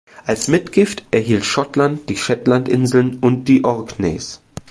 Als Mitgift erhielt Schottland die Shetlandinseln und die Orkneys.